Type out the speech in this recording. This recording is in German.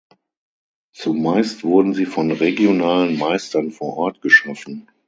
Zumeist wurden sie von regionalen Meistern vor Ort geschaffen.